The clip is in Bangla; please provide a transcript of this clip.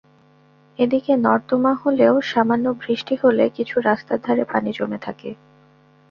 এদিকে নর্দমা হলেও সামান্য বৃষ্টি হলে কিছু রাস্তার ধারে পানি জমে থাকে।